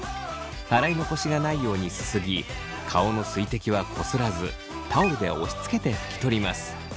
洗い残しがないようにすすぎ顔の水滴はこすらずタオルで押しつけて拭き取ります。